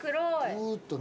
ぐるっとね。